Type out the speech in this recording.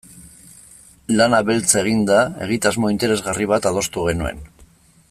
Lana beltz eginda, egitasmo interesgarri bat adostu genuen.